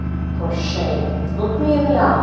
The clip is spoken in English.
For shame. Look me in the eye.